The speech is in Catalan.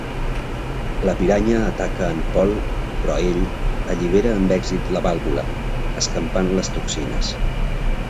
La piranya ataca a en Paul però ell allibera amb èxit la vàlvula, escampant les toxines.